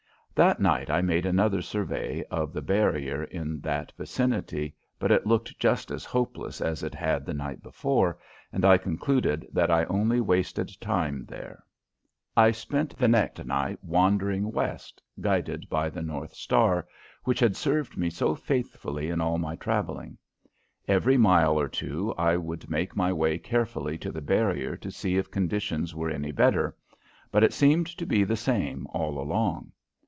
That night I made another survey of the barrier in that vicinity, but it looked just as hopeless as it had the night before, and I concluded that I only wasted time there. I spent the night wandering west, guided by the North Star, which had served me so faithfully in all my traveling. Every mile or two I would make my way carefully to the barrier to see if conditions were any better, but it seemed to be the same all along.